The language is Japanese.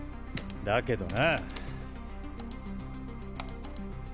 だけどな。